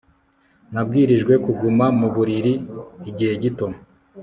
Nabwirijwe kuguma mu buriri igihe gito